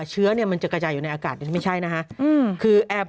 เชื้อมันจะกระจายอยู่ในอากาศไม่ใช่นะครับ